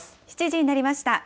７時になりました。